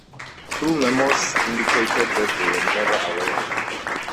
Crew memoirs indicated that they were never aware of it.